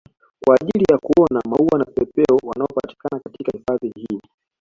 Kwa ajili ya kuona maua na vipepeo wanaopatikana katika hifadhi hii